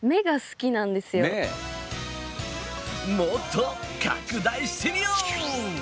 もっと拡大してみよう！